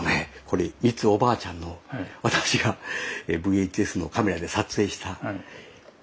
これみつおばあちゃんの私がＶＨＳのカメラで撮影した１９８０年の。